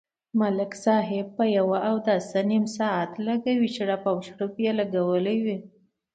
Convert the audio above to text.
ملک صاحب په یوه اوداسه نیم ساعت لگوي، شړپ او شړوپ یې لگولی وي.